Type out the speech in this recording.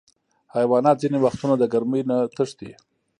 حیوانات ځینې وختونه د ګرمۍ نه تښتي.